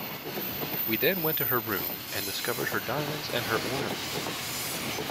We then went to her room and discovered her diamonds and her ornaments.